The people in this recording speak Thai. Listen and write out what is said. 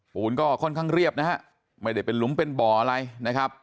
ปูนก็ค่อนข้างเรียบนะฮะไม่ได้เป็นหลุมเป็นบ่ออะไรนะครับ